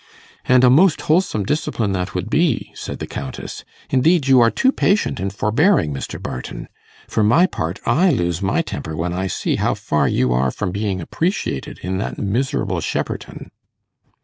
'And a most wholesome discipline that would be,' said the Countess, 'indeed, you are too patient and forbearing, Mr. Barton. For my part, I lose my temper when I see how far you are from being appreciated in that miserable Shepperton.